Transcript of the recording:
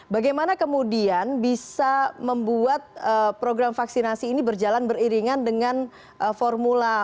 bagaimana kemudian bisa membuat program vaksinasi ini berjalan beriringan dengan formula